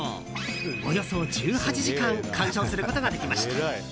およそ１８時間鑑賞することができました。